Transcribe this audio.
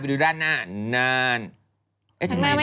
ไปดูด้านหน้า